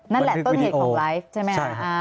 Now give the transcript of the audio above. นั่นแหละต้นเหตุของไลฟ์ใช่ไหมคะ